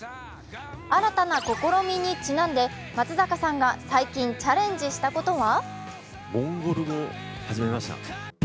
新たな試みにちなんで、松坂さんが最近チャレンジしたことは？